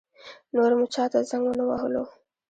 نور مو چا ته زنګ ونه وهلو.